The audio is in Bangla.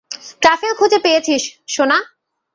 ট্রাফেল খুঁজে পেয়েছিস, সোনা।